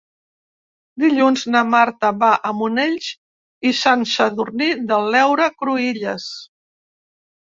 Dilluns na Marta va a Monells i Sant Sadurní de l'Heura Cruïlles.